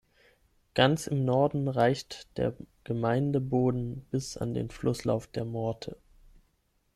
Ganz im Norden reicht der Gemeindeboden bis an den Flusslauf der Morte.